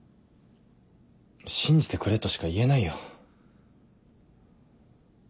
信じてくれとしか言えないよ。